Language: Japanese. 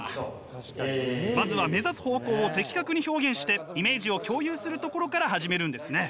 まずは目指す方向を的確に表現してイメージを共有するところから始めるんですね。